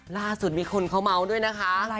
ล่าสุดมีคนเขาเมาส์ด้วยนะคะ